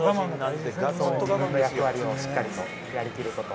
自分の役割をしっかりとやりきること。